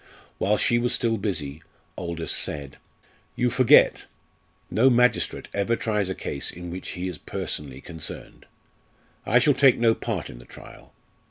While she was still busy Aldous said: "You forget; no magistrate ever tries a case in which he is personally concerned. I shall take no part in the trial.